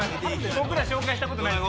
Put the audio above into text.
僕ら紹介したことないですから。